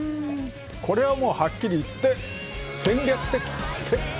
これは、もうはっきり言って、戦略的撤退。